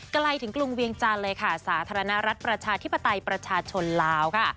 ไกลถึงกรุงเวียงจันทร์เลยค่ะสาธารณรัฐประชาธิปไตยประชาชนลาวค่ะ